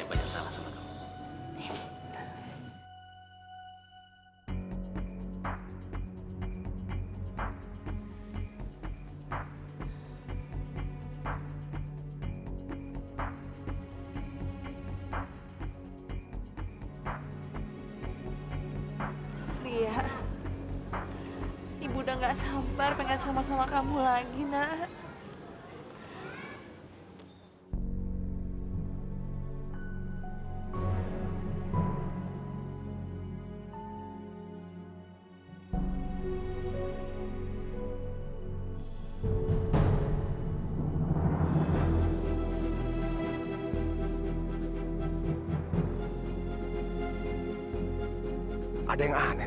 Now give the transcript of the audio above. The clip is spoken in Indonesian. ada yang aneh dari pembunuhku